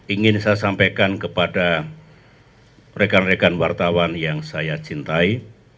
ingin saya sampaikan kepada rekan rekan wartawan yang saya cintai